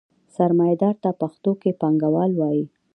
سرمایدار ته پښتو کې پانګوال وايي.